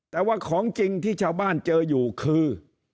แต่ว่าของจริงที่ชาวบ้านเจออยู่คือ